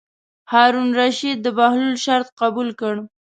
هارون الرشید د بهلول شرط قبول کړ.